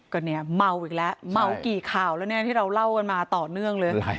ก็เนี่ยเมาอีกแล้วเมากี่ข่าวแล้วเนี่ยที่เราเล่ากันมาต่อเนื่องเลย